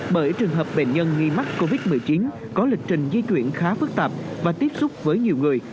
bởi trường hợp bệnh nhân nghi mắc covid một mươi chín có lịch trình di chuyển khá phức tạp và tiếp xúc với nhiều người